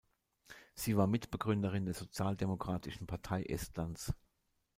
Sie war Mitbegründerin der Sozialdemokratischen Partei Estlands.